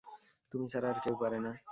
তুমি ছাড়া আর কেউ পারে না।